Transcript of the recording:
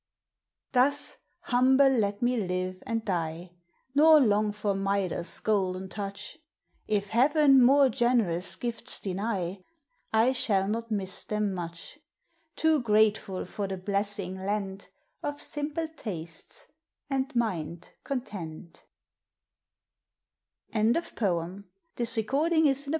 Thus humble let me live and die, Nor long for Midas' golden touch ; If Heaven more generous gifts deny, I shall not miss them m uclu — Too grateful for the blessing lent Of simple tastes and mind content !